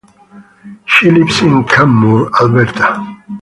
She lives in Canmore, Alberta.